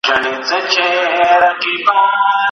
له سارنګ سره د جنګ میدان ته ځمه